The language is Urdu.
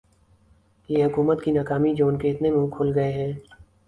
یہ حکومت کی ناکامی جو انکے اتنے منہ کھل گئے ہیں